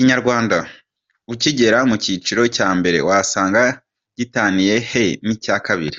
Inyarwanda: Ukigera mu cyiciro cya mbere wasanze gitaniye he n’icya kabiri?.